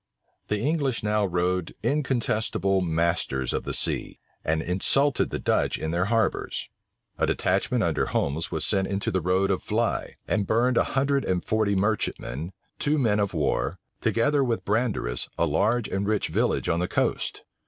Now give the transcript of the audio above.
The English now rode incontestable masters of the sea, and insulted the Dutch in their harbors. A detachment under Holmes was sent into the road of Vlie, and burned a hundred and forty merchantmen, two men of war, together with Brandaris, a large and rich village on the coast.